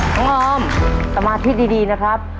น้องออมสมาธิดีนะครับ